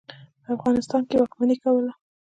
په افغانستان واکمني کوله.